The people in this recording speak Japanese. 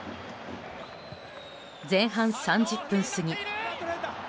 前半３０分過ぎ。